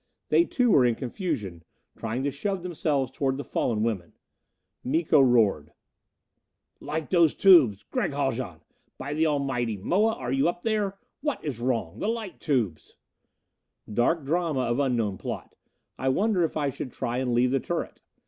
They too were in confusion, trying to shove themselves toward the fallen women. Miko roared: "Light those tubes! Gregg Haljan! By the Almighty, Moa, are you up there? What is wrong? The light tubes " Dark drama of unknown plot! I wonder if I should try and leave the turret.